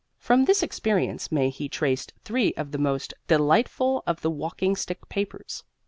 From this experience may he traced three of the most delightful of the "Walking Stick Papers."